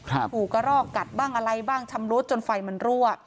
ถูกกระรอกกัดบ้างอะไรบ้างชำรุดจนไฟมันรั่ว